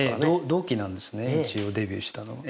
同期なんですね一応デビューしたのが。